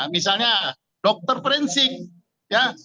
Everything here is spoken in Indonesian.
misalnya dr prinsic ya